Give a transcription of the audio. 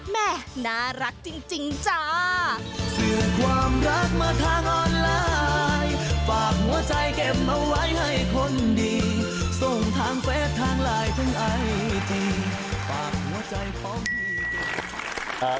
แม่น่ารักจริงจ้า